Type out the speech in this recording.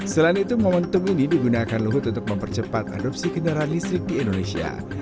selain itu momentum ini digunakan luhut untuk mempercepat adopsi kendaraan listrik di indonesia